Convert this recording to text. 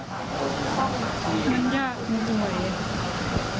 มันยาก